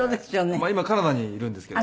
今カナダにいるんですけど。